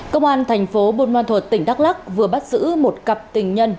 công an thành phố bồn loan thuật tỉnh đắk lắc vừa bắt giữ một cặp tình nhân